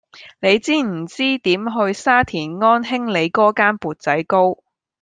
你知唔知點去沙田安興里嗰間缽仔糕